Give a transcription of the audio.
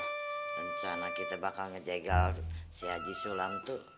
rencana kita bakal ngejegel si haji sulam tuh